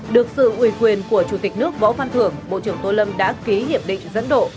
được sự ủy quyền của chủ tịch nước võ văn thưởng bộ trưởng tô lâm đã ký hiệp định dẫn độ